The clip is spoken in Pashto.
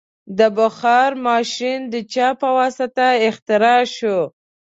د بخار ماشین د چا په واسطه اختراع شو؟